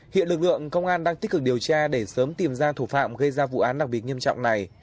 hiện lực lượng công an đang tích cực điều tra để sớm tìm ra thủ phạm gây ra vụ án đặc biệt nghiêm trọng này